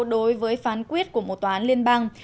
đối với phán quyết của một toán liên bang